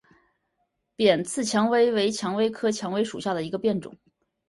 扁刺蔷薇为蔷薇科蔷薇属下的一个变种。